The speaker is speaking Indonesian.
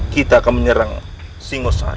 tidak akan keringkus kamu